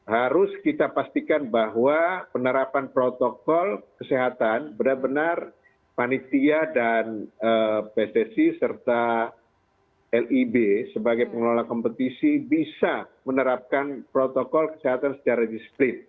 harus kita pastikan bahwa penerapan protokol kesehatan benar benar panitia dan pssi serta lib sebagai pengelola kompetisi bisa menerapkan protokol kesehatan secara disiplin